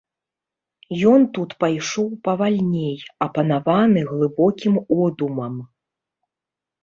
Ён тут пайшоў павальней, апанаваны глыбокім одумам.